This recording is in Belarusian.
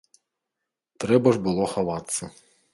Трэба ж было хавацца.